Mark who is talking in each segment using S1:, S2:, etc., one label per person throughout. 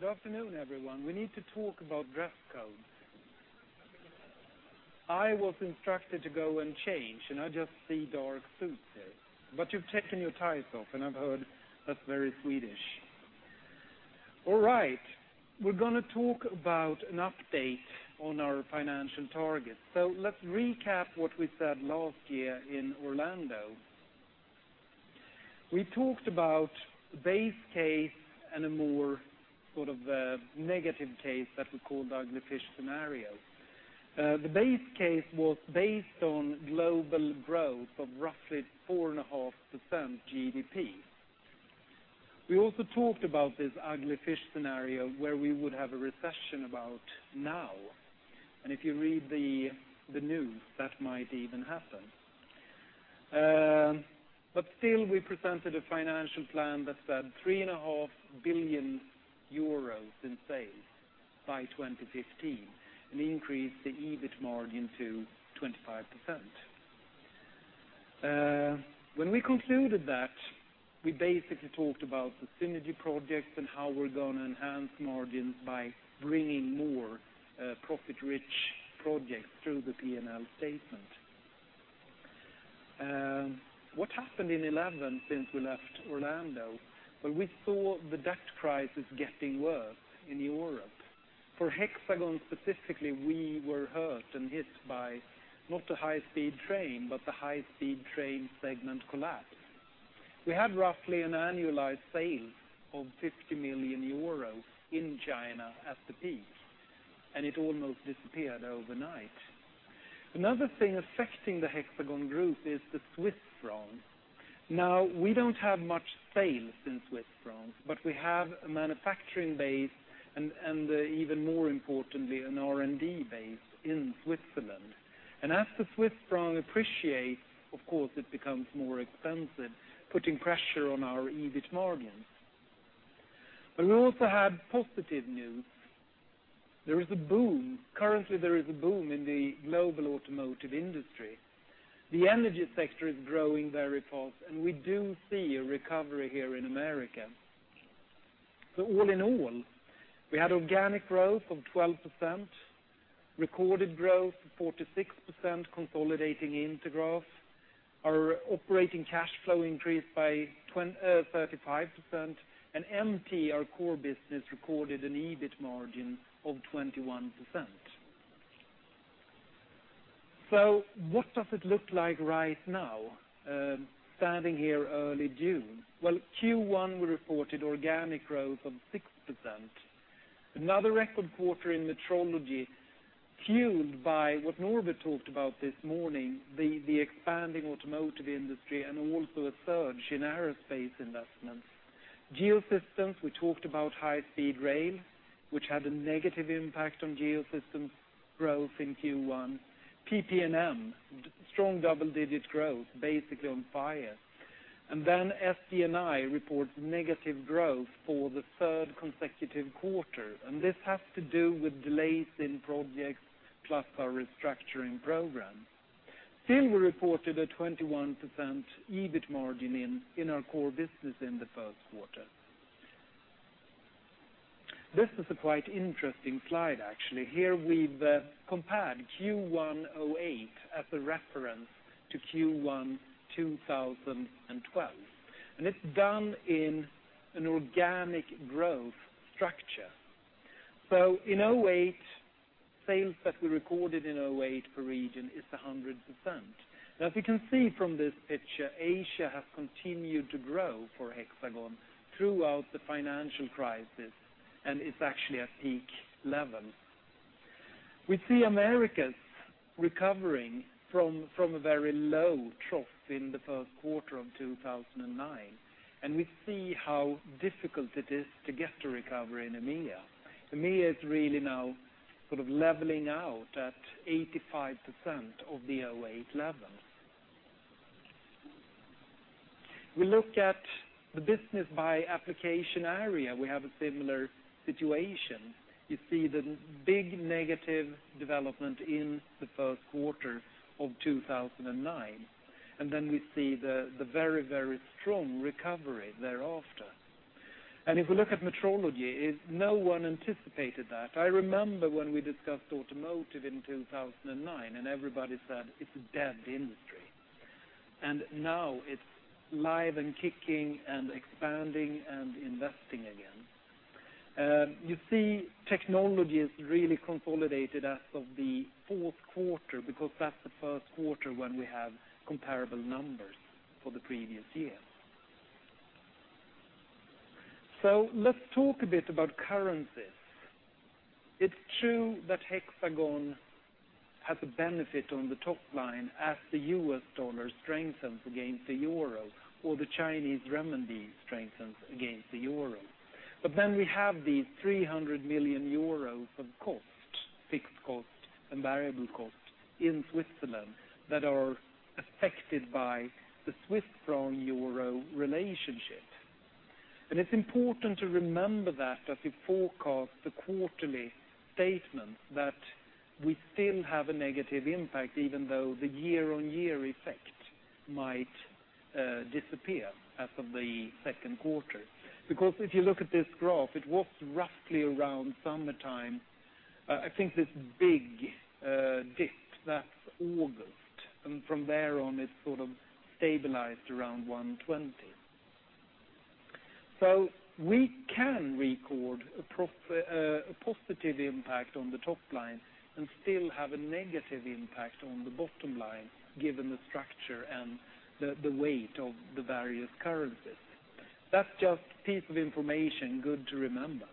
S1: Good afternoon, everyone. We need to talk about dress codes. I was instructed to go and change, and I just see dark suits here. You've taken your ties off, and I've heard that's very Swedish. All right. We're going to talk about an update on our financial targets. Let's recap what we said last year in Orlando. We talked about the base case and a more negative case that we called ugly fish scenario. The base case was based on global growth of roughly 4.5% GDP. We also talked about this ugly fish scenario where we would have a recession about now, and if you read the news, that might even happen. Still, we presented a financial plan that said 3.5 billion euros in sales by 2015, an increase to EBIT margin to 25%. When we concluded that, we basically talked about the synergy projects and how we're going to enhance margins by bringing more profit-rich projects through the P&L statement. What happened in 2011 since we left Orlando? Well, we saw the debt crisis getting worse in Europe. For Hexagon specifically, we were hurt and hit by not the high-speed train, but the high-speed train segment collapse. We had roughly an annualized sale of 50 million euro in China at the peak, and it almost disappeared overnight. Another thing affecting the Hexagon group is the Swiss franc. Now, we don't have much sales in Swiss franc, but we have a manufacturing base and, even more importantly, an R&D base in Switzerland. As the Swiss franc appreciates, of course, it becomes more expensive, putting pressure on our EBIT margins. We also have positive news. There is a boom. Currently, there is a boom in the global automotive industry. The energy sector is growing very fast, and we do see a recovery here in America. All in all, we had organic growth of 12%, recorded growth of 46%, consolidating Intergraph. Our operating cash flow increased by 35%, and MT, our core business, recorded an EBIT margin of 21%. What does it look like right now, standing here early June? Well, Q1, we reported organic growth of 6%. Another record quarter in metrology, fueled by what Norbert talked about this morning, the expanding automotive industry and also a surge in aerospace investments. Geosystems, we talked about high-speed rail, which had a negative impact on Geosystems growth in Q1. PP&M, strong double-digit growth, basically on fire. SG&I reports negative growth for the third consecutive quarter, and this has to do with delays in projects, plus our restructuring program. Still, we reported a 21% EBIT margin in our core business in the first quarter. This is a quite interesting slide, actually. Here we've compared Q1 2008 as a reference to Q1 2012, and it's done in an organic growth structure. In 2008, sales that we recorded in 2008 per region is 100%. If you can see from this picture, Asia has continued to grow for Hexagon throughout the financial crisis, and it's actually at peak level. We see Americas recovering from a very low trough in the first quarter of 2009, and we see how difficult it is to get a recovery in EMEA. EMEA is really now leveling out at 85% of the 2008 levels. We look at the business by application area, we have a similar situation. You see the big negative development in the first quarter of 2009, we see the very strong recovery thereafter. If we look at metrology, no one anticipated that. I remember when we discussed automotive in 2009, everybody said it's a dead industry. Now it's live and kicking and expanding and investing again. You see technology is really consolidated as of the fourth quarter because that's the first quarter when we have comparable numbers for the previous year. Let's talk a bit about currencies. It's true that Hexagon has a benefit on the top line as the US dollar strengthens against the euro or the Chinese renminbi strengthens against the euro. We have these 300 million euros of cost, fixed cost and variable cost, in Switzerland that are affected by the Swiss franc/euro relationship. It's important to remember that as we forecast the quarterly statement, that we still have a negative impact even though the year-on-year effect might disappear as of the second quarter. If you look at this graph, it was roughly around summertime. I think this big dip, that's August, from there on it sort of stabilized around 120. We can record a positive impact on the top line and still have a negative impact on the bottom line given the structure and the weight of the various currencies. That's just a piece of information good to remember.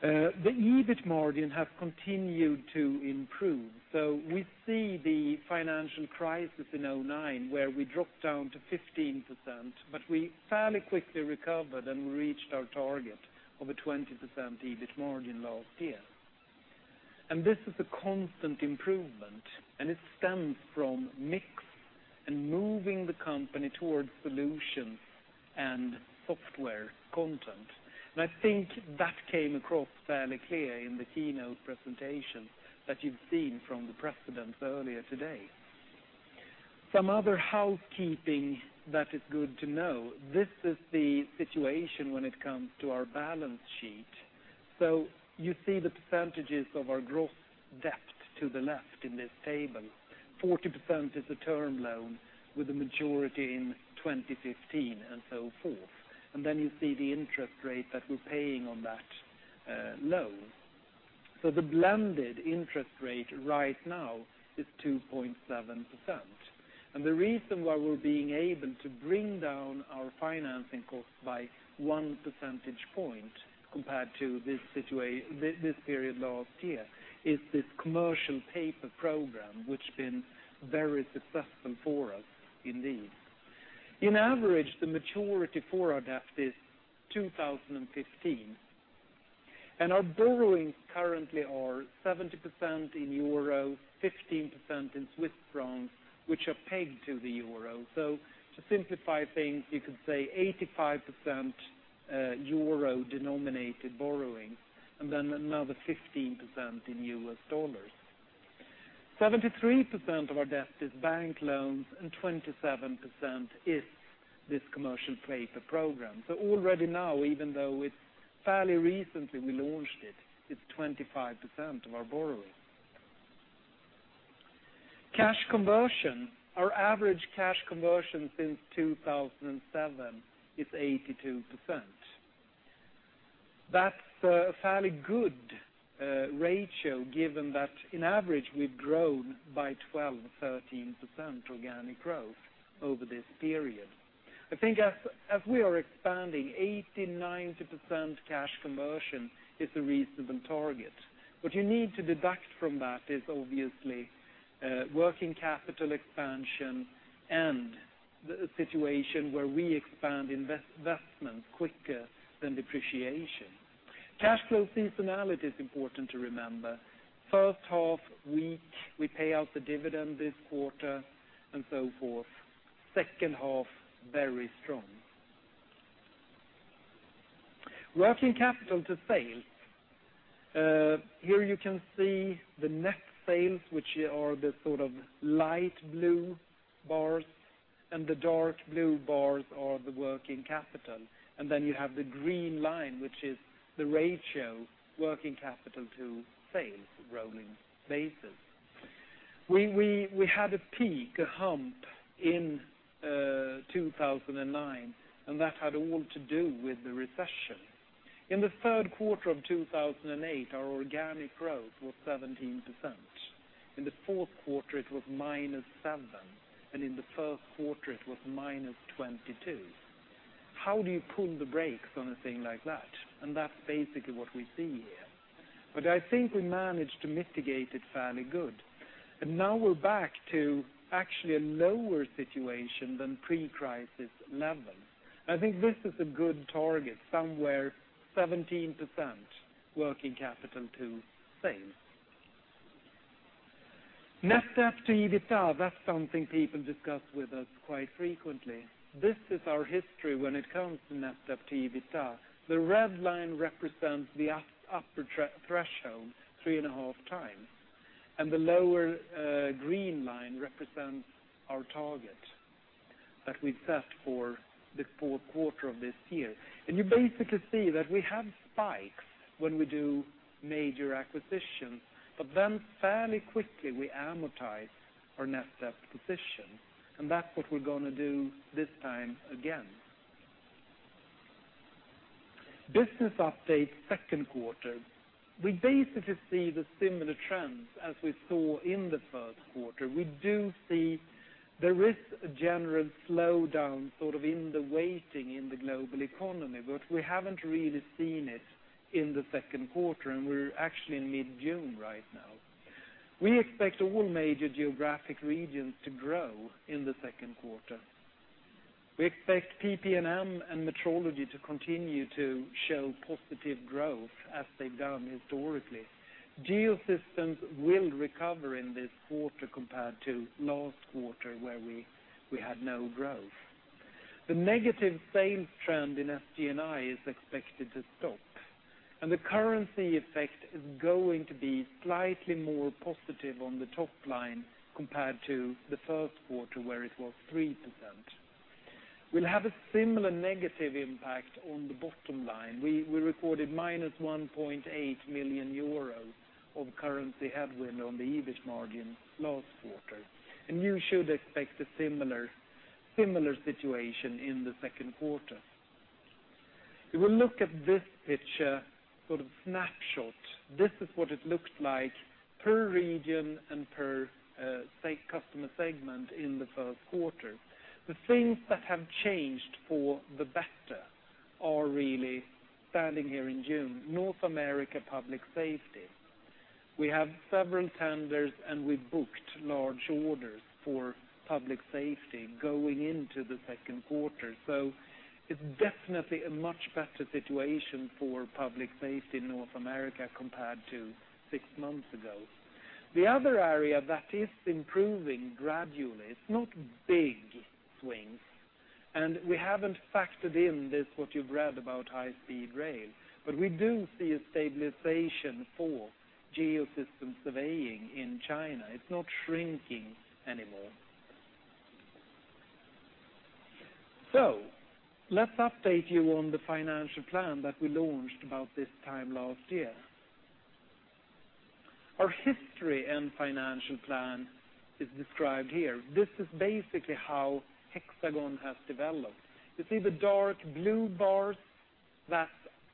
S1: The EBIT margin has continued to improve. We see the financial crisis in 2009 where we dropped down to 15%, we fairly quickly recovered and reached our target of a 20% EBIT margin last year. This is a constant improvement, it stems from mix and moving the company towards solutions and software content. I think that came across fairly clear in the keynote presentation that you've seen from the presidents earlier today. Some other housekeeping that is good to know, this is the situation when it comes to our balance sheet. You see the percentages of our gross debt to the left in this table. 40% is the term loan with the majority in 2015 and so forth. You see the interest rate that we're paying on that loan. The blended interest rate right now is 2.7%. The reason why we're being able to bring down our financing cost by one percentage point compared to this period last year is this commercial paper program, which been very successful for us indeed. On average, the maturity for our debt is 2015, our borrowings currently are 70% in euro, 15% in Swiss francs, which are pegged to the euro. To simplify things, you could say 85% euro-denominated borrowings, another 15% in US dollars. 73% of our debt is bank loans 27% is this commercial paper program. Already now, even though it's fairly recently we launched it's 25% of our borrowing. Cash conversion. Our average cash conversion since 2007 is 82%. That's a fairly good ratio given that on average we've grown by 12, 13% organic growth over this period. I think as we are expanding, 89% cash conversion is a reasonable target. What you need to deduct from that is obviously working capital expansion and the situation where we expand investments quicker than depreciation. Cash flow seasonality is important to remember. First half, weak. We pay out the dividend this quarter and so forth. Second half, very strong. Working capital to sales. Here you can see the net sales, which are the light blue bars, and the dark blue bars are the working capital. You have the green line, which is the ratio, working capital to sales, rolling basis. We had a peak, a hump in 2009, and that had all to do with the recession. In the third quarter of 2008, our organic growth was 17%. In the fourth quarter, it was minus 7%, and in the first quarter, it was minus 22%. How do you pull the brakes on a thing like that? That's basically what we see here. I think we managed to mitigate it fairly good. Now we're back to actually a lower situation than pre-crisis levels. I think this is a good target, somewhere 17% working capital to sales. Net debt to EBITDA, that's something people discuss with us quite frequently. This is our history when it comes to net debt to EBITDA. The red line represents the upper threshold, 3.5 times, and the lower green line represents our target that we set for the fourth quarter of this year. You basically see that we have spikes when we do major acquisitions, fairly quickly we amortize our net debt position. That's what we're going to do this time again. Business update, second quarter. We basically see the similar trends as we saw in the first quarter. We do see there is a general slowdown in the weighting in the global economy, we haven't really seen it in the second quarter, we're actually in mid-June right now. We expect all major geographic regions to grow in the second quarter. We expect PP&M and metrology to continue to show positive growth as they've done historically. Geosystems will recover in this quarter compared to last quarter where we had no growth. The negative sales trend in SD&I is expected to stop, the currency effect is going to be slightly more positive on the top line compared to the first quarter, where it was 3%. We'll have a similar negative impact on the bottom line. We recorded minus 1.8 million euro of currency headwind on the EBIT margin last quarter, you should expect a similar situation in the second quarter. If we look at this picture snapshot, this is what it looked like per region and per customer segment in the first quarter. The things that have changed for the better are really standing here in June, North America Public Safety. We have several tenders, we booked large orders for public safety going into the second quarter. It's definitely a much better situation for public safety in North America compared to six months ago. The other area that is improving gradually, it's not big swings, we haven't factored in this, what you've read about high-speed rail, we do see a stabilization for Geosystems surveying in China. It's not shrinking anymore. Let's update you on the financial plan that we launched about this time last year. Our history and financial plan is described here. This is basically how Hexagon has developed. You see the dark blue bars? That's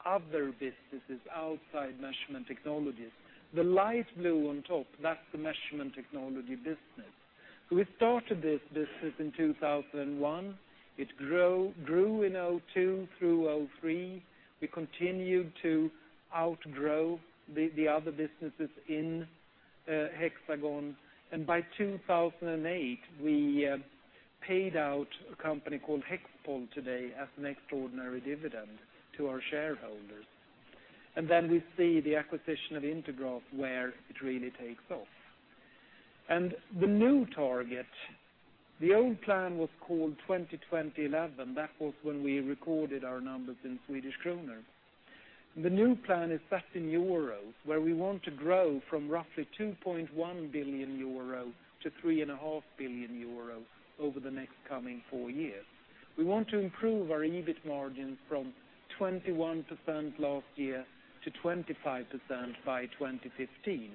S1: other businesses outside measurement technologies. The light blue on top, that's the measurement technology business. We started this business in 2001. It grew in 2002 through 2003. We continued to outgrow the other businesses in Hexagon. By 2008, we paid out a company called Hexpol today as an extraordinary dividend to our shareholders. We see the acquisition of Intergraph, where it really takes off. The new target, the old plan was called 20/20/11. That was when we recorded our numbers in Swedish krona. The new plan is set in euros, where we want to grow from roughly 2.1 billion euro to 3.5 billion euro over the next coming four years. We want to improve our EBIT margin from 21% last year to 25% by 2015.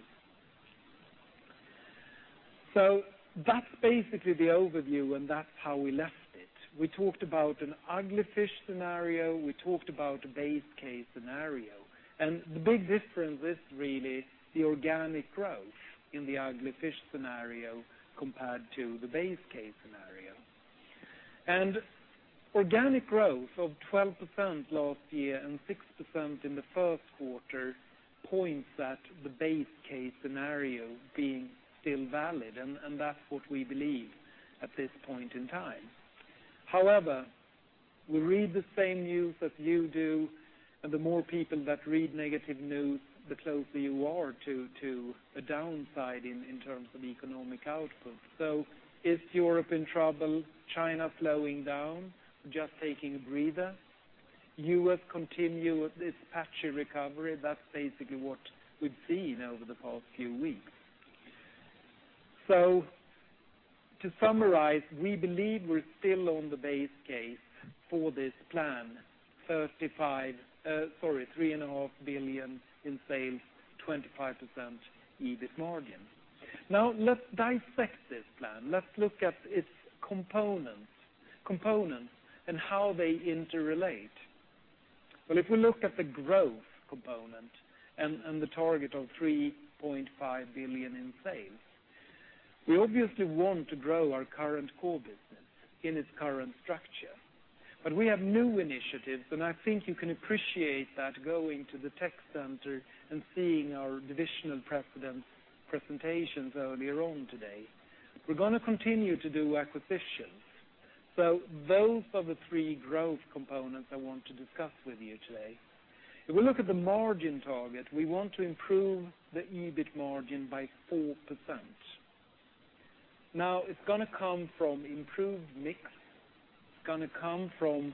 S1: That's basically the overview, and that's how we left it. We talked about an ugly fish scenario, we talked about a base case scenario, the big difference is really the organic growth in the ugly fish scenario compared to the base case scenario. Organic growth of 12% last year and 6% in the first quarter points at the base case scenario being still valid, and that's what we believe at this point in time. However, we read the same news as you do, the more people that read negative news, the closer you are to a downside in terms of economic output. Is Europe in trouble? China slowing down, just taking a breather? U.S. continue with this patchy recovery? That's basically what we've seen over the past few weeks. To summarize, we believe we're still on the base case for this plan, 3.5 billion in sales, 25% EBIT margin. Now let's dissect this plan. Let's look at its components and how they interrelate. If we look at the growth component and the target of 3.5 billion in sales, we obviously want to grow our current core business in its current structure. We have new initiatives, and I think you can appreciate that going to the tech center and seeing our divisional presidents' presentations earlier on today. We're going to continue to do acquisitions. Those are the three growth components I want to discuss with you today. If we look at the margin target, we want to improve the EBIT margin by 4%. Now, it's going to come from improved mix, it's going to come from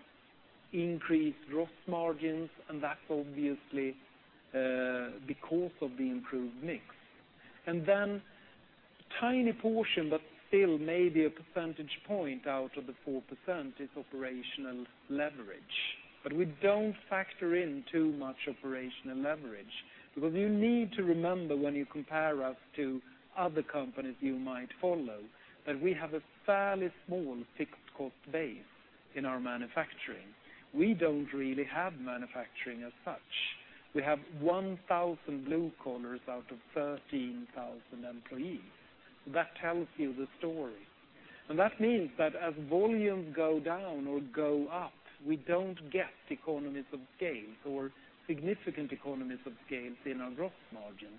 S1: increased gross margins, and that's obviously because of the improved mix. A tiny portion, but still maybe a percentage point out of the 4%, is operational leverage. We don't factor in too much operational leverage, because you need to remember when you compare us to other companies you might follow, that we have a fairly small fixed cost base in our manufacturing. We don't really have manufacturing as such. We have 1,000 blue collars out of 13,000 employees. That tells you the story. That means that as volumes go down or go up, we don't get economies of scale or significant economies of scale in our gross margin.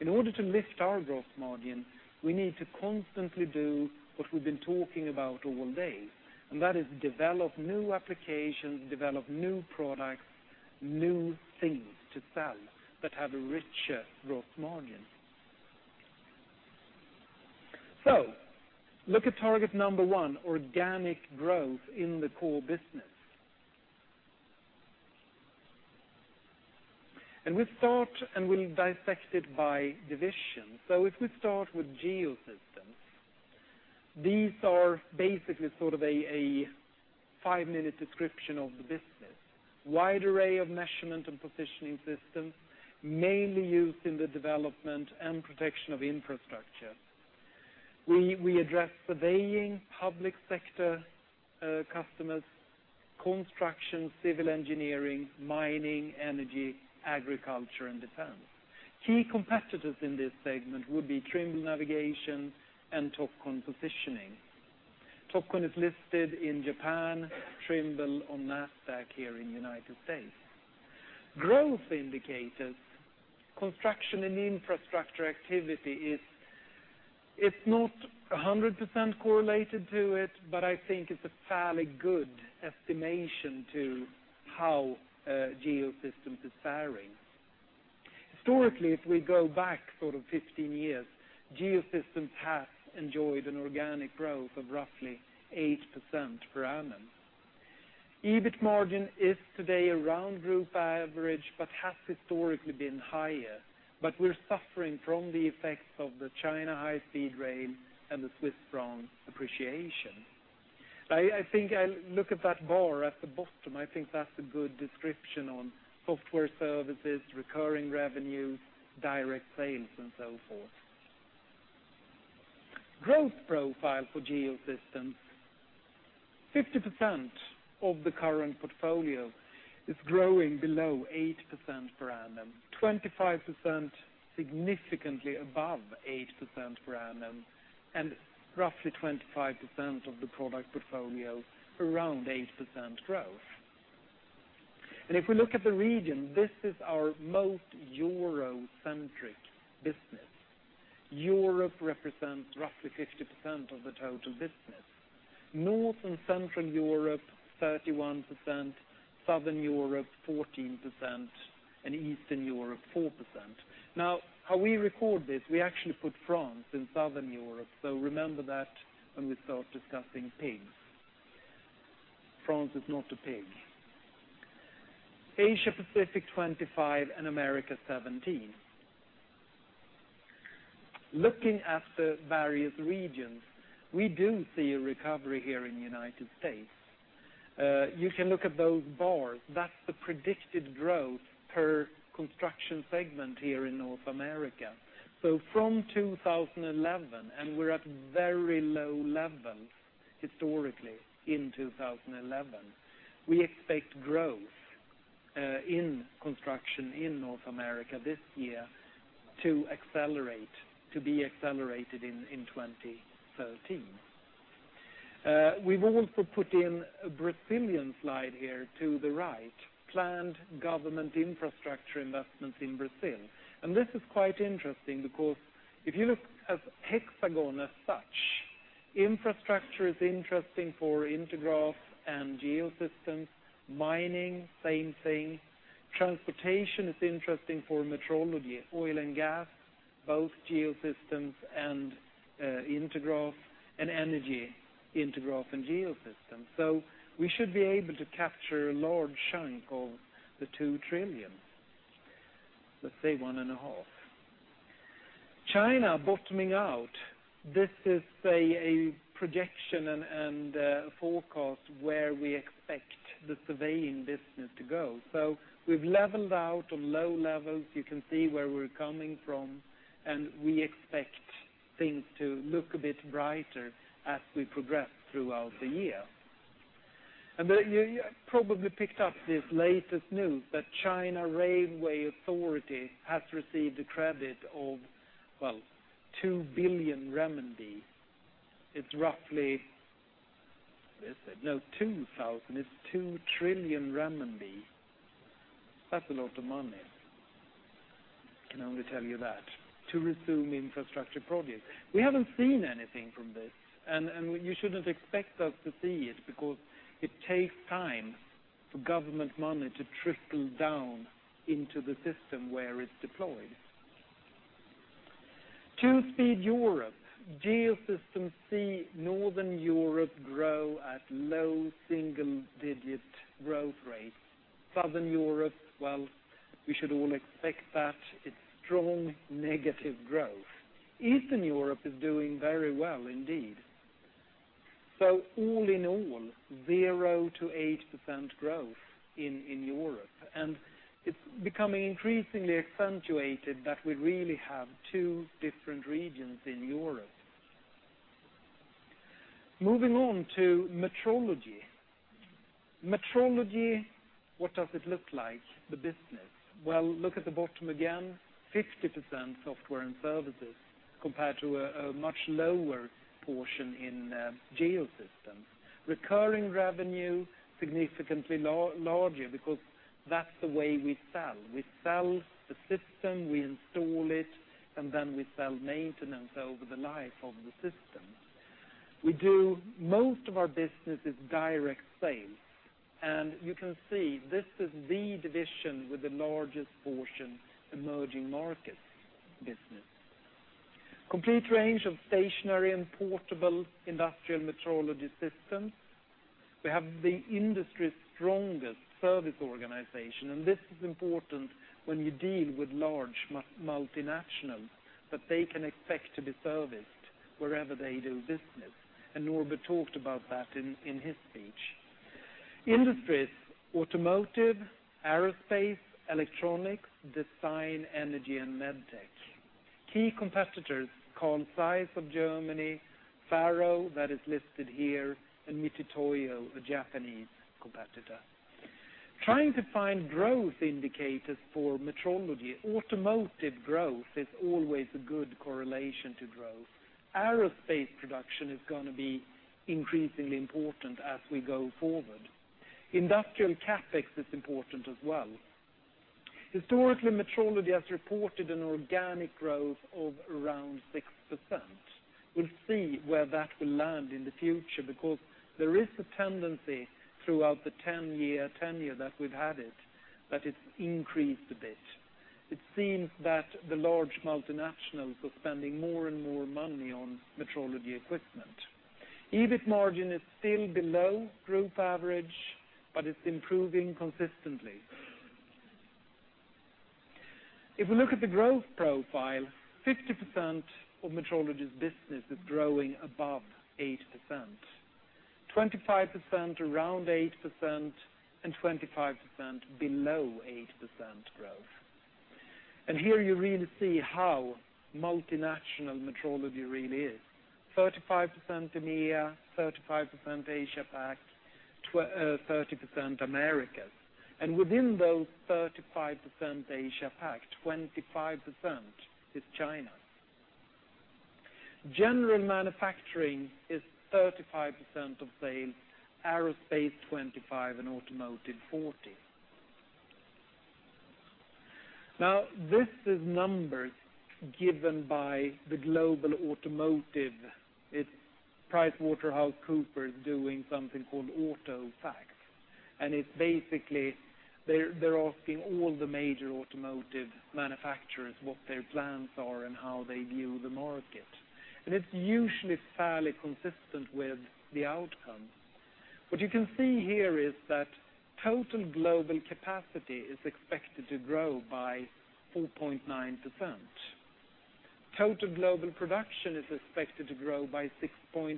S1: In order to lift our gross margin, we need to constantly do what we've been talking about all day, and that is develop new applications, develop new products, new things to sell that have a richer gross margin. Look at target number 1, organic growth in the core business. We'll start, and we'll dissect it by division. If we start with Geosystems, these are basically sort of a five-minute description of the business. Wide array of measurement and positioning systems, mainly used in the development and protection of infrastructure. We address surveying public sector customers, construction, civil engineering, mining, energy, agriculture, and defense. Key competitors in this segment would be Trimble and Topcon Positioning Systems. Topcon is listed in Japan, Trimble on NASDAQ here in the U.S. Growth indicators, construction and infrastructure activity is not 100% correlated to it, but I think it's a fairly good estimation to how Geosystems is faring. Historically, if we go back 15 years, Geosystems has enjoyed an organic growth of roughly 8% per annum. EBIT margin is today around group average, but has historically been higher, but we're suffering from the effects of the China high-speed rail and the Swiss franc appreciation. I think look at that bar at the bottom, I think that's a good description on software services, recurring revenues, direct sales, and so forth. Growth profile for Geosystems. 50% of the current portfolio is growing below 8% per annum, 25% significantly above 8% per annum, and roughly 25% of the product portfolio around 8% growth. If we look at the region, this is our most Euro-centric business. Europe represents roughly 50% of the total business. North and Central Europe, 31%, Southern Europe, 14%, and Eastern Europe, 4%. How we record this, we actually put France in Southern Europe, so remember that when we start discussing PIGS. France is not a PIG. Asia-Pacific, 25%, and America, 17%. Looking at the various regions, we do see a recovery here in the U.S. You can look at those bars. That's the predicted growth per construction segment here in North America. From 2011, and we're at very low levels historically in 2011, we expect growth in construction in North America this year to be accelerated in 2013. We've also put in a Brazilian slide here to the right, planned government infrastructure investments in Brazil. This is quite interesting because if you look at Hexagon as such, infrastructure is interesting for Intergraph and Geosystems. Mining, same thing. Transportation is interesting for metrology, oil and gas, both Geosystems and Intergraph, and energy, Intergraph and Geosystems. We should be able to capture a large chunk of the 2 trillion, let's say one and a half. China bottoming out. This is a projection and a forecast where we expect the surveying business to go. We've leveled out on low levels. You can see where we're coming from, and we expect things to look a bit brighter as we progress throughout the year. You probably picked up this latest news that National Railway Administration has received a credit of, well, 2 billion renminbi. It's roughly, no 2,000, it's 2 trillion renminbi. That's a lot of money, can only tell you that, to resume infrastructure projects. We haven't seen anything from this, you shouldn't expect us to see it because it takes time for government money to trickle down into the system where it's deployed. Two-speed Europe. Hexagon Geosystems see Northern Europe grow at low single-digit growth rates. Southern Europe, well, we should all expect that. It's strong negative growth. Eastern Europe is doing very well indeed. All in all, 0%-8% growth in Europe, and it's becoming increasingly accentuated that we really have two different regions in Europe. Moving on to metrology. Metrology, what does it look like, the business? Well, look at the bottom again, 50% software and services compared to a much lower portion in Hexagon Geosystems. Recurring revenue, significantly larger because that's the way we sell. We sell the system, we install it, then we sell maintenance over the life of the system. We do most of our business is direct sales, you can see this is the division with the largest portion emerging markets business. Complete range of stationary and portable industrial metrology systems. We have the industry's strongest service organization, and this is important when you deal with large multinationals, that they can expect to be serviced wherever they do business. Norbert talked about that in his speech. Industries, automotive, aerospace, electronics, design, energy, and med tech. Key competitors, Carl Zeiss of Germany, FARO, that is listed here, and Mitutoyo, a Japanese competitor. Trying to find growth indicators for metrology, automotive growth is always a good correlation to growth. Aerospace production is going to be increasingly important as we go forward. Industrial CapEx is important as well. Historically, metrology has reported an organic growth of around 6%. We'll see where that will land in the future because there is a tendency throughout the 10-year tenure that we've had it, that it's increased a bit. It seems that the large multinationals are spending more and more money on metrology equipment. EBIT margin is still below group average, but it's improving consistently. If we look at the growth profile, 50% of metrology's business is growing above 8%, 25% around 8%, and 25% below 8% growth. Here you really see how multinational metrology really is, 35% EMEA, 35% Asia Pac, 30% Americas. Within those 35% Asia Pac, 25% is China. General manufacturing is 35% of sales, aerospace 25%, and automotive 40%. Now, this is numbers given by the global automotive, it's PricewaterhouseCoopers doing something called Autofacts, and it's basically they're asking all the major automotive manufacturers what their plans are and how they view the market. It's usually fairly consistent with the outcome. What you can see here is that total global capacity is expected to grow by 4.9%. Total global production is expected to grow by 6.3%.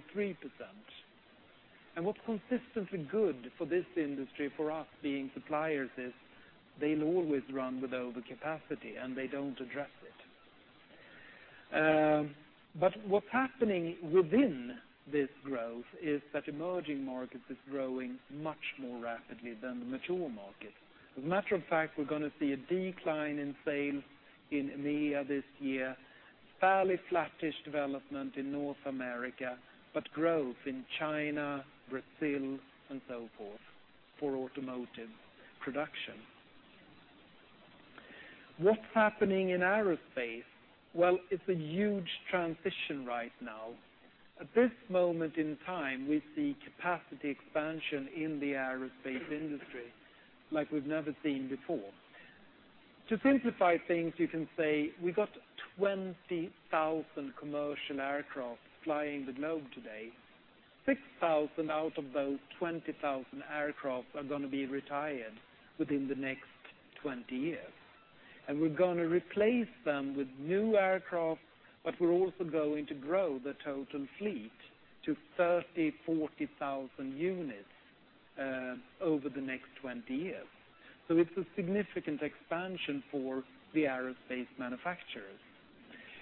S1: What's consistently good for this industry, for us being suppliers is they'll always run with overcapacity, and they don't address it. What's happening within this growth is that emerging markets is growing much more rapidly than the mature markets. As a matter of fact, we're going to see a decline in sales in EMEA this year, fairly flattish development in North America, but growth in China, Brazil, and so forth for automotive production. What's happening in aerospace? Well, it's a huge transition right now. At this moment in time, we see capacity expansion in the aerospace industry like we've never seen before. To simplify things, you can say we got 20,000 commercial aircraft flying the globe today. 6,000 out of those 20,000 aircraft are going to be retired within the next 20 years. We're going to replace them with new aircraft, but we're also going to grow the total fleet to 30,000, 40,000 units over the next 20 years. It's a significant expansion for the aerospace manufacturers.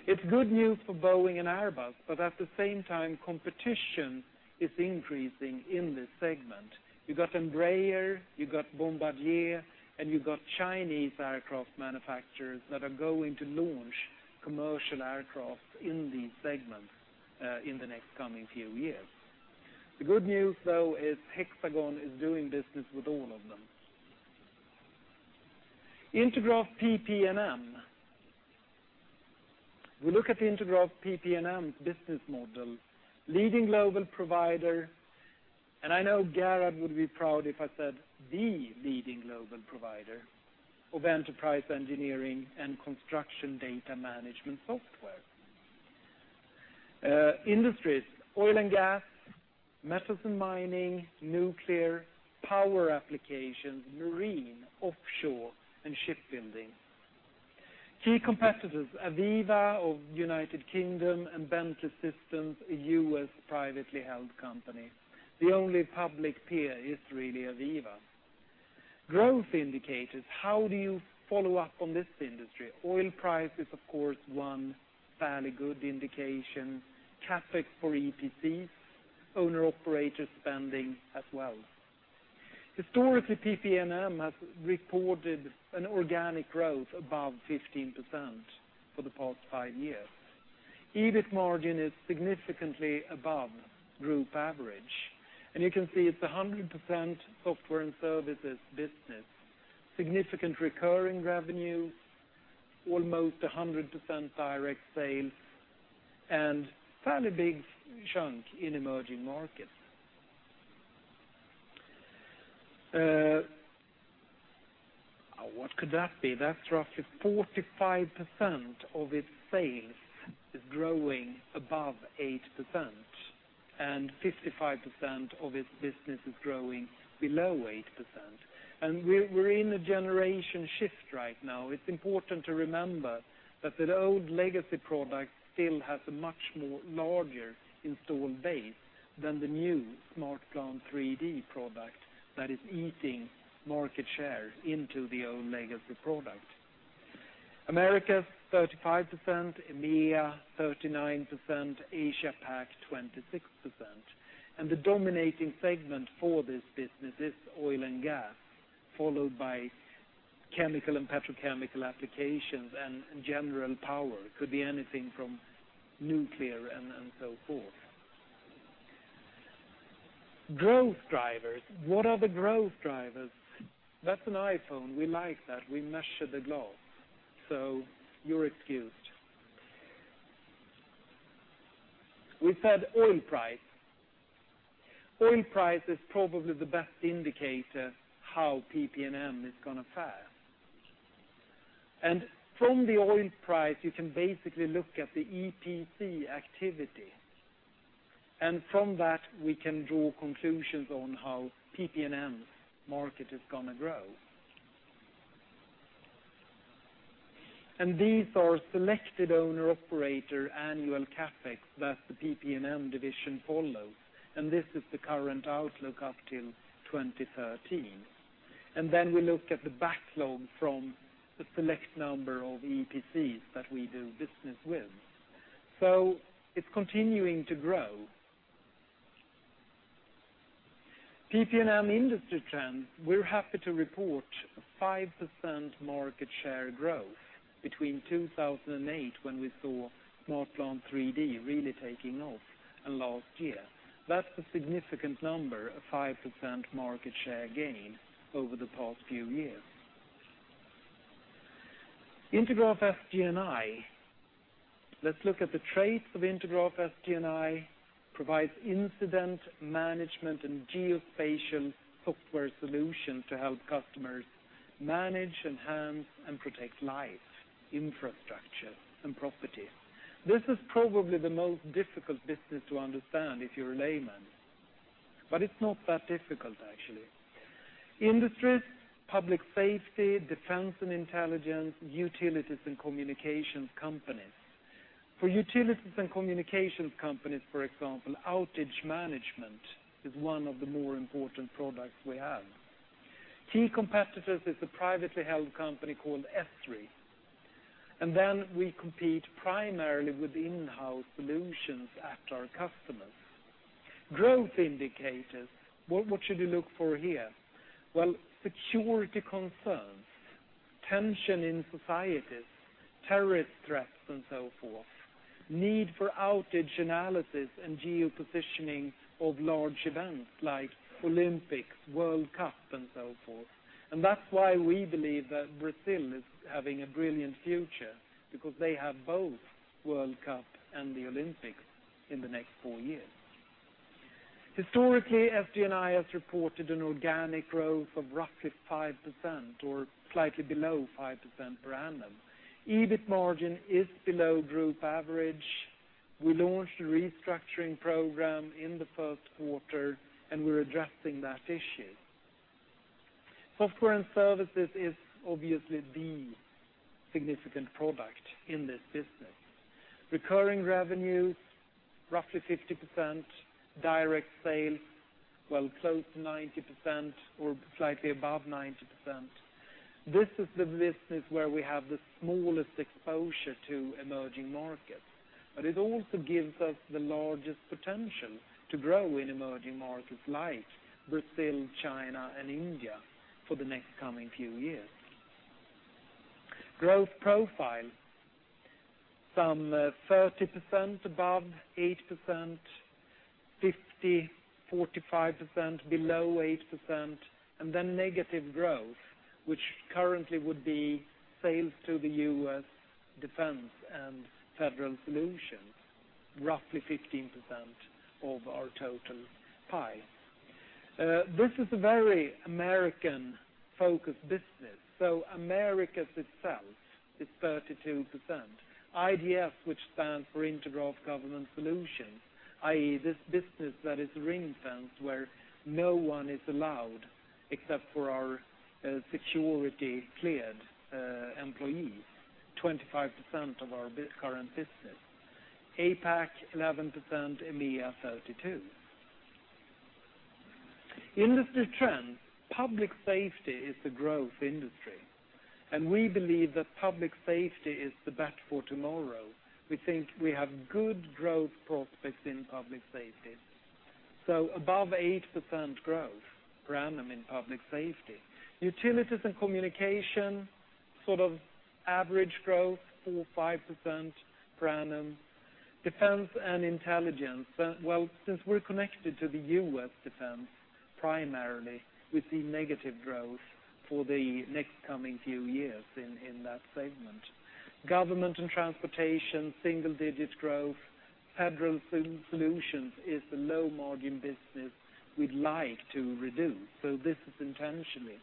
S1: It's good news for Boeing and Airbus, but at the same time, competition is increasing in this segment. You got Embraer, you got Bombardier, and you got Chinese aircraft manufacturers that are going to launch commercial aircraft in these segments, in the next coming few years. The good news, though, is Hexagon is doing business with all of them. Intergraph PP&M. We look at the Intergraph PP&M business model, leading global provider, and I know Garrett would be proud if I said the leading global provider of enterprise engineering and construction data management software. Industries, oil and gas, metals and mining, nuclear, power applications, marine, offshore, and shipbuilding. Key competitors, AVEVA of U.K. and Bentley Systems, a U.S. privately held company. The only public peer is really AVEVA. Growth indicators. How do you follow up on this industry? Oil price is, of course, one fairly good indication. CapEx for EPCs, owner operator spending as well. Historically, PP&M has reported an organic growth above 15% for the past five years. EBIT margin is significantly above group average, and you can see it's a 100% software and services business, significant recurring revenues. Almost 100% direct sales and fairly big chunk in emerging markets. What could that be? That's roughly 45% of its sales is growing above 8%, and 55% of its business is growing below 8%. We're in a generation shift right now. It's important to remember that the old legacy product still has a much more larger installed base than the new SmartPlant 3D product that is eating market share into the old legacy product. Americas, 35%, EMEA, 39%, Asia Pac, 26%. The dominating segment for this business is oil and gas, followed by chemical and petrochemical applications, and general power. Could be anything from nuclear and so forth. Growth drivers. What are the growth drivers? That's an iPhone. We like that. We measure the glass, so you're excused. We said oil price. Oil price is probably the best indicator how PP&M is going to fare. From the oil price, you can basically look at the EPC activity, and from that, we can draw conclusions on how PP&M's market is going to grow. These are selected owner/operator annual CapEx that the PP&M division follows, and this is the current outlook up till 2030. Then we look at the backlog from the select number of EPCs that we do business with. It's continuing to grow. PP&M industry trends. We're happy to report 5% market share growth between 2008, when we saw SmartPlant 3D really taking off, and last year. That's a significant number, a 5% market share gain over the past few years. Intergraph SG&I. Let's look at the traits of Intergraph SG&I. Provides incident management and geospatial software solutions to help customers manage, enhance, and protect life, infrastructure, and property. This is probably the most difficult business to understand if you're a layman, but it's not that difficult, actually. Industries, public safety, defense and intelligence, utilities and communications companies. For utilities and communications companies, for example, outage management is one of the more important products we have. Key competitors is a privately held company called Esri, and then we compete primarily with in-house solutions at our customers. Growth indicators. What should you look for here? Well, security concerns, tension in societies, terrorist threats, and so forth. Need for outage analysis and geopositioning of large events like Olympics, World Cup, and so forth. That's why we believe that Brazil is having a brilliant future, because they have both World Cup and the Olympics in the next four years. Historically, SD&I has reported an organic growth of roughly five percent or slightly below five percent per annum. EBIT margin is below group average. We launched a restructuring program in the first quarter, and we're addressing that issue. Software and services is obviously the significant product in this business. Recurring revenues, roughly 50%. Direct sales, well close to 90% or slightly above 90%. This is the business where we have the smallest exposure to emerging markets, but it also gives us the largest potential to grow in emerging markets like Brazil, China, and India for the next coming few years. Growth profile. Some 30% above 8%, 50%, 45% below 8%, and then negative growth, which currently would be sales to the U.S. Defense and Federal Solutions, roughly 15% of our total pie. This is a very American-focused business. Americas itself is 32%. IGS, which stands for Intergraph Government Solutions, i.e., this business that is ring-fenced, where no one is allowed except for our security-cleared employees, 25% of our current business. APAC, 11%, EMEA, 32. Industry trends. Public safety is the growth industry, and we believe that public safety is the bet for tomorrow. We think we have good growth prospects in public safety. Above 8% growth per annum in public safety. Utilities and communication, sort of average growth, four percent, five percent per annum. Defense and intelligence. Since we're connected to the U.S. defense primarily, we see negative growth for the next coming few years in that segment. Government and transportation, single-digit growth. Federal solutions is the low-margin business we'd like to reduce. This is intentionally.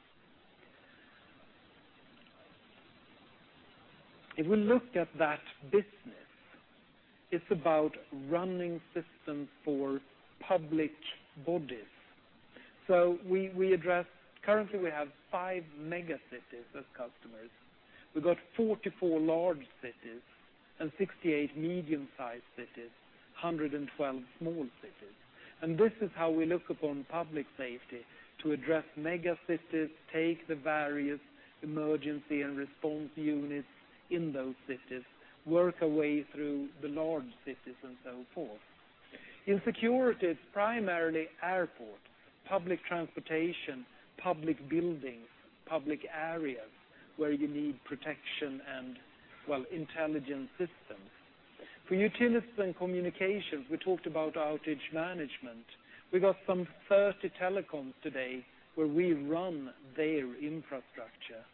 S1: If we look at that business, it's about running systems for public bodies. Currently, we have five mega cities as customers. We've got 44 large cities and 68 medium-sized cities, 112 small cities. This is how we look upon public safety to address mega cities, take the various emergency and response units in those cities, work our way through the large cities, and so forth. In security, it's primarily airport, public transportation, public buildings, public areas where you need protection and intelligence systems. For utilities and communications, we talked about outage management. We got some 30 telecoms today where we run their infrastructure.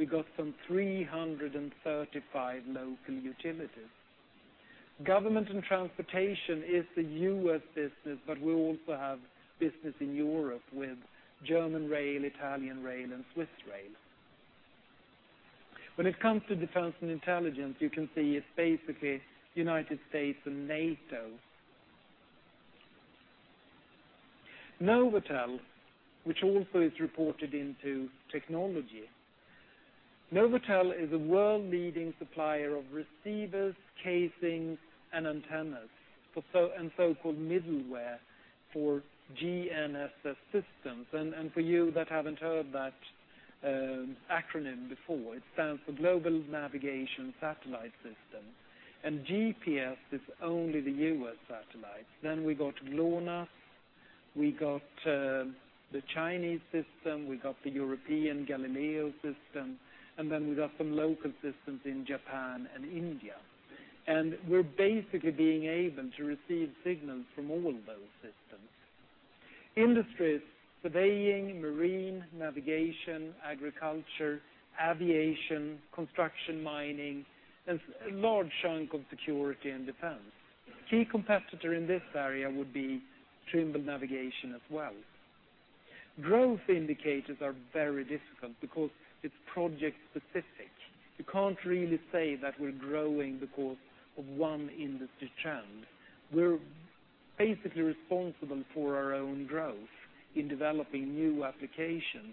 S1: We got some 335 local utilities. Government and transportation is the U.S. business, but we also have business in Europe with German Rail, Italian Rail, and Swiss Rail. When it comes to defense and intelligence, you can see it's basically United States and NATO. NovAtel, which also is reported into technology. NovAtel is a world-leading supplier of receivers, casings, and antennas, and so-called middleware for GNSS systems. For you that haven't heard that acronym before, it stands for Global Navigation Satellite System, and GPS is only the U.S. satellite. We got GLONASS, we got the Chinese system, we got the European Galileo system, and we got some local systems in Japan and India. We're basically being able to receive signals from all those systems. Industries: surveying, marine, navigation, agriculture, aviation, construction, mining, and a large chunk of security and defense. Key competitor in this area would be Trimble Navigation as well. Growth indicators are very difficult because it's project specific. You can't really say that we're growing because of one industry trend. We're basically responsible for our own growth in developing new applications.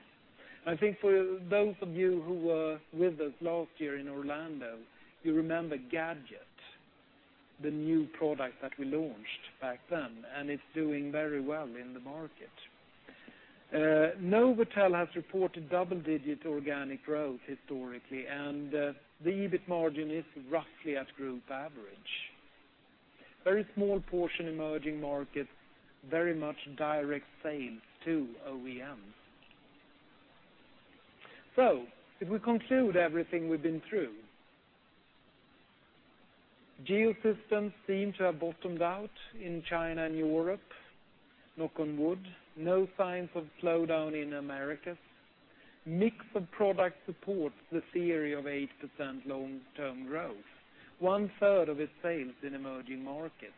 S1: I think for those of you who were with us last year in Orlando, you remember Gadget, the new product that we launched back then. It's doing very well in the market. NovAtel has reported double-digit organic growth historically, and the EBIT margin is roughly at group average. Very small portion emerging markets, very much direct sales to OEMs. If we conclude everything we've been through. Geosystems seem to have bottomed out in China and Europe. Knock on wood. No signs of slowdown in Americas. Mix of product supports the theory of 8% long-term growth. One-third of its sales in emerging markets.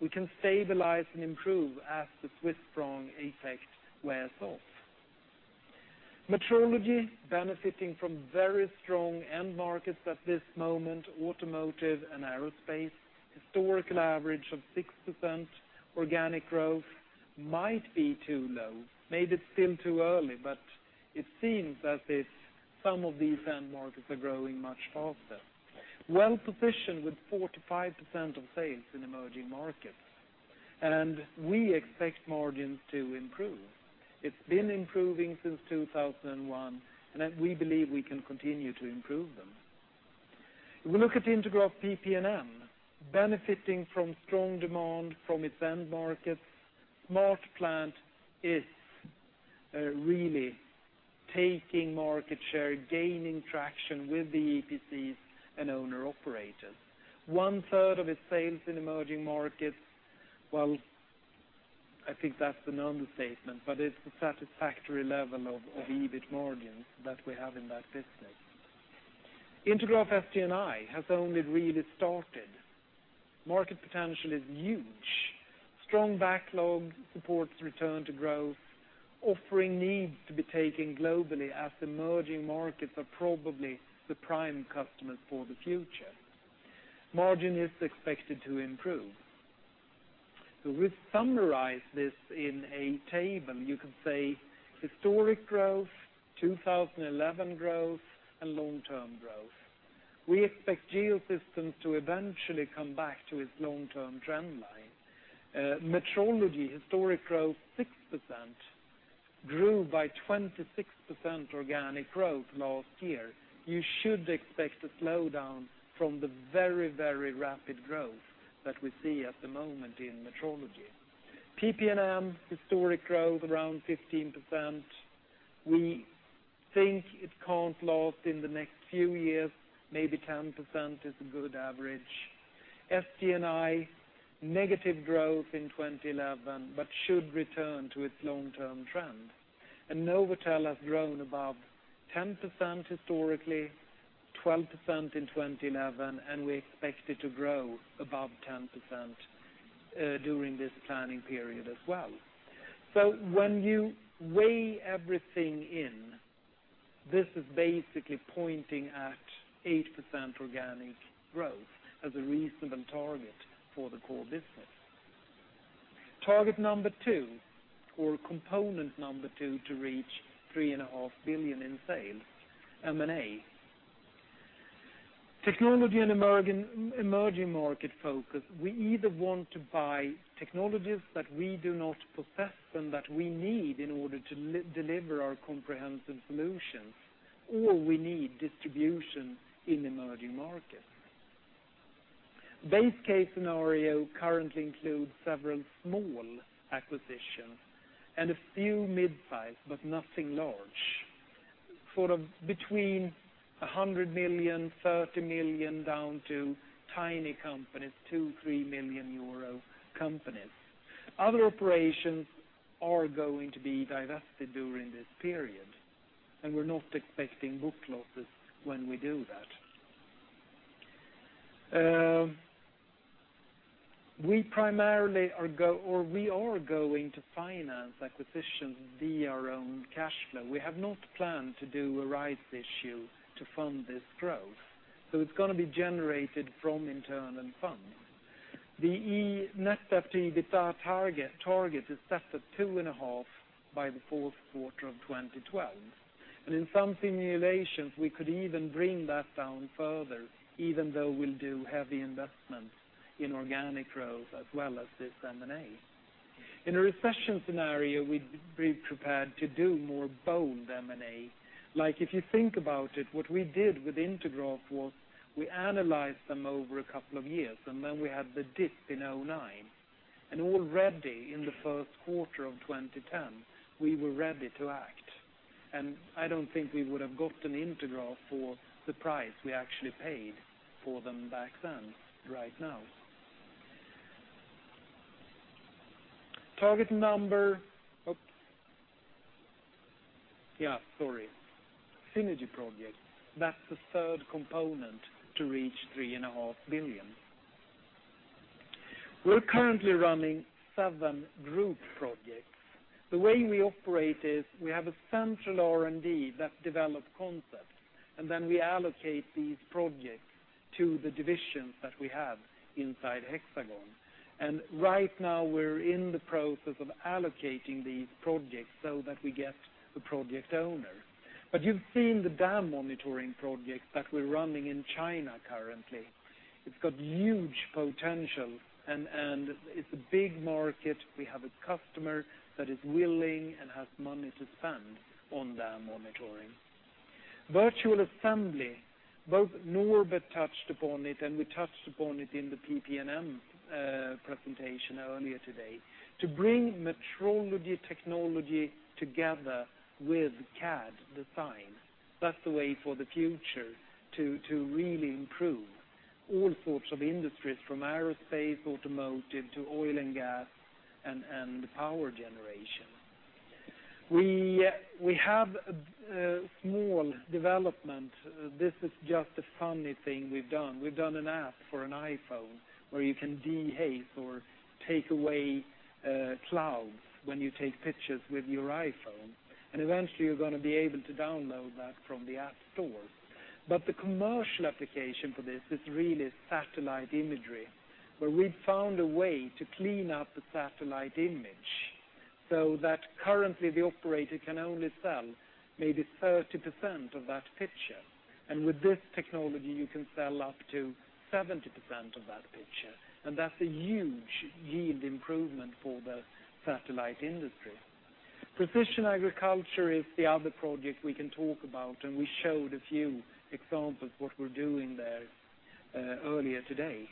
S1: We can stabilize and improve as the Swiss franc effect wears off. Metrology benefiting from very strong end markets at this moment, automotive and aerospace. Historical average of 6% organic growth might be too low. Maybe it's still too early, but it seems as if some of these end markets are growing much faster. Well-positioned with 45% of sales in emerging markets. We expect margins to improve. It's been improving since 2001, and we believe we can continue to improve them. If we look at the Intergraph PP&M, benefiting from strong demand from its end markets. SmartPlant is really taking market share, gaining traction with the EPCs and owner operators. 1/3 of its sales in emerging markets. I think that's an understatement, but it's the satisfactory level of the EBIT margins that we have in that business. Intergraph SG&I has only really started. Market potential is huge. Strong backlog supports return to growth. Offering needs to be taken globally as emerging markets are probably the prime customers for the future. Margin is expected to improve. We've summarized this in a table. You could say historic growth, 2011 growth, and long-term growth. We expect Geosystems to eventually come back to its long-term trend line. Metrology, historic growth 6%, grew by 26% organic growth last year. You should expect a slowdown from the very rapid growth that we see at the moment in metrology. PP&M, historic growth around 15%. We think it can't last in the next few years, maybe 10% is a good average. SD&I, negative growth in 2011, but should return to its long-term trend. NovAtel has grown above 10% historically, 12% in 2011, and we expect it to grow above 10% during this planning period as well. When you weigh everything in, this is basically pointing at 8% organic growth as a reasonable target for the core business. Target number 2, or component number 2 to reach three and a half billion in sales, M&A. Technology and emerging market focus, we either want to buy technologies that we do not possess and that we need in order to deliver our comprehensive solutions, or we need distribution in emerging markets. Base case scenario currently includes several small acquisitions and a few mid-size, but nothing large. Sort of between 100 million, 30 million, down to tiny companies, 2, 3 million euro companies. Other operations are going to be divested during this period, and we're not expecting book losses when we do that. We are going to finance acquisitions via our own cash flow. We have not planned to do a rights issue to fund this growth. It's going to be generated from internal funds. The net debt to EBITDA target is set at 2.5 by the fourth quarter of 2012. In some simulations, we could even bring that down further, even though we'll do heavy investments in organic growth as well as this M&A. In a recession scenario, we'd be prepared to do more bold M&A. Like if you think about it, what we did with Intergraph was we analyzed them over a couple of years, then we had the dip in 2009. Already in the first quarter of 2010, we were ready to act. I don't think we would have gotten Intergraph for the price we actually paid for them back then, right now. Synergy projects, that's the third component to reach 3.5 billion. We're currently running seven group projects. The way we operate is we have a central R&D that develops concepts, then we allocate these projects to the divisions that we have inside Hexagon. Right now, we're in the process of allocating these projects so that we get the project owner. You've seen the dam monitoring project that we're running in China currently. It's got huge potential, and it's a big market. We have a customer that is willing and has money to spend on dam monitoring. Virtual assembly, both Norbert touched upon it and we touched upon it in the PP&M presentation earlier today. To bring metrology technology together with CAD design, that's the way for the future to really improve all sorts of industries, from aerospace, automotive, to oil and gas, and power generation. We have a small development. This is just a funny thing we've done. We've done an app for an iPhone where you can dehaze or take away clouds when you take pictures with your iPhone. Eventually, you're going to be able to download that from the App Store. The commercial application for this is really satellite imagery, where we've found a way to clean up the satellite image so that currently the operator can only sell maybe 30% of that picture. With this technology, you can sell up to 70% of that picture, and that's a huge yield improvement for the satellite industry. Precision agriculture is the other project we can talk about, and we showed a few examples what we're doing there earlier today.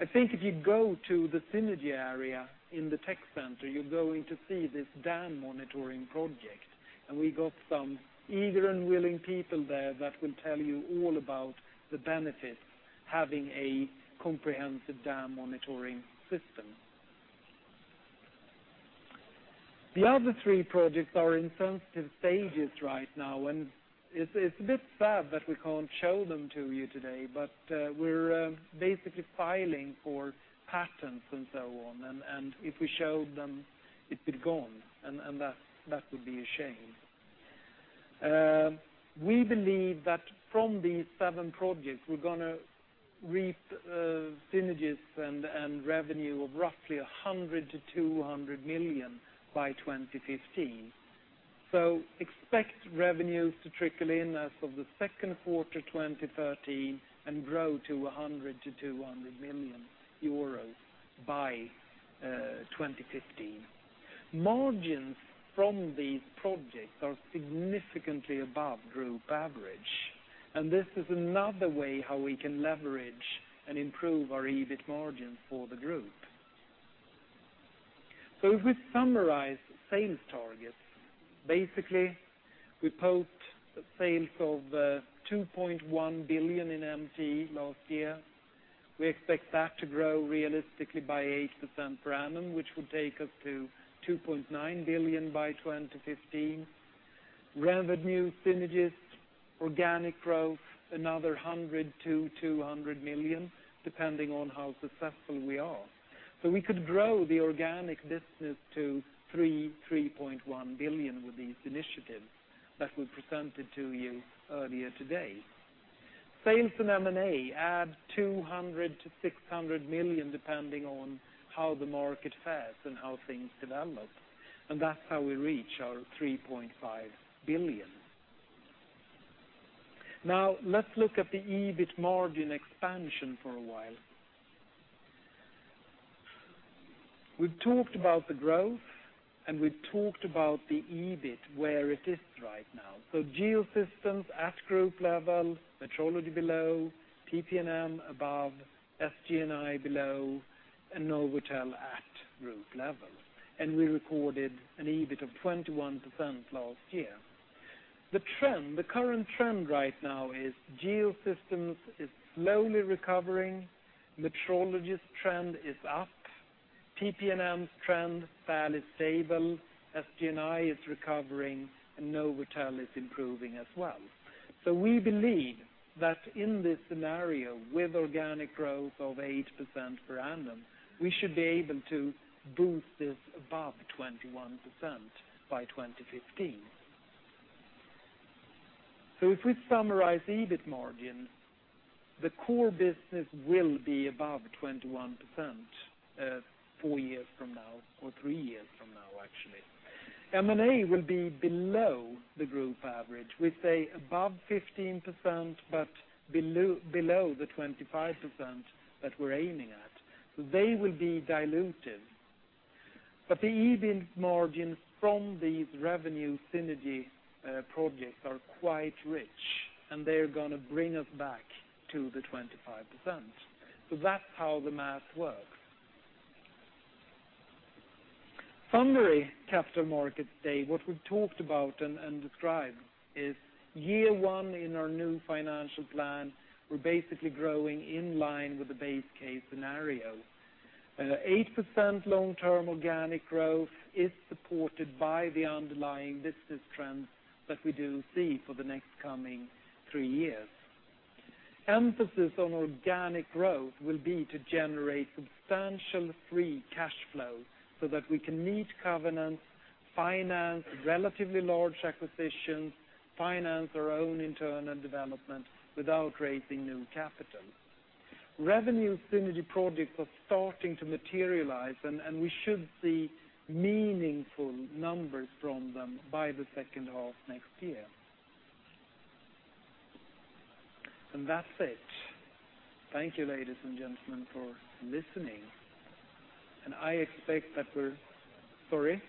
S1: I think if you go to the synergy area in the tech center, you're going to see this dam monitoring project. We got some eager and willing people there that will tell you all about the benefits having a comprehensive dam monitoring system. The other three projects are in sensitive stages right now. It's a bit sad that we can't show them to you today, but we're basically filing for patents and so on. If we showed them, it would be gone, and that would be a shame. We believe that from these seven projects, we're going to reap synergies and revenue of roughly 100 million-200 million by 2015. Expect revenues to trickle in as of the second quarter 2013 and grow to 100 million-200 million euros by 2015. Margins from these projects are significantly above group average. This is another way how we can leverage and improve our EBIT margin for the group. If we summarize sales targets, basically, we post sales of 2.1 billion in MT last year. We expect that to grow realistically by 8% per annum, which will take us to 2.9 billion by 2015. Revenue synergies, organic growth, another 100 million-200 million, depending on how successful we are. We could grow the organic business to 3 billion-3.1 billion with these initiatives that we presented to you earlier today. Sales and M&A add 200 million-600 million, depending on how the market fares and how things develop. That's how we reach our 3.5 billion. Now, let's look at the EBIT margin expansion for a while. We've talked about the growth. We've talked about the EBIT, where it is right now. Geosystems at group level, Metrology below, PP&M above, SG&I below, NovAtel at group level. We recorded an EBIT of 21% last year. The trend, the current trend right now is Geosystems is slowly recovering. Metrology's trend is up. PP&M's trend, flat is stable. SG&I is recovering, NovAtel is improving as well. We believe that in this scenario, with organic growth of 8% per annum, we should be able to boost this above 21% by 2015. If we summarize the EBIT margin, the core business will be above 21%, four years from now or three years from now, actually. M&A will be below the group average. We say above 15%, but below the 25% that we're aiming at. They will be diluted. The EBIT margins from these revenue synergy projects are quite rich, and they're going to bring us back to the 25%. That's how the math works. Summary, Capital Markets Day. What we've talked about and described is year one in our new financial plan. We're basically growing in line with the base case scenario. 8% long-term organic growth is supported by the underlying business trends that we do see for the next coming three years. Emphasis on organic growth will be to generate substantial free cash flow so that we can meet covenants, finance relatively large acquisitions, finance our own internal development without raising new capital. Revenue synergy projects are starting to materialize. We should see meaningful numbers from them by the second half next year. That's it. Thank you, ladies and gentlemen, for listening. I expect that we're Sorry?